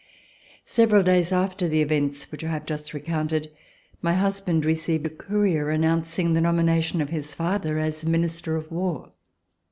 SEVERAL days after the events which I have just recounted, my husband received a courier announcing the nomination of his father as Minister of War.